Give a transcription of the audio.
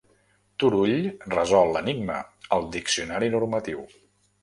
Turull resol l'enigma al diccionari normatiu.